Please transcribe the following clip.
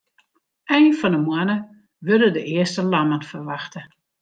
Ein fan 'e moanne wurde de earste lammen ferwachte.